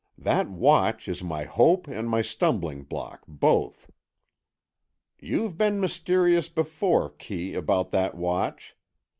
That watch is my hope and my stumbling block, both." "You've been mysterious before, Kee, about that watch.